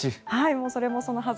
それもそのはず。